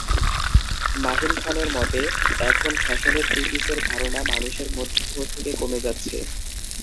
মাহিন খানের মতে, এখন ফ্যাশনে থ্রি-পিসের ধারণা মানুষের মধ্য থেকে কমে যাচ্ছে।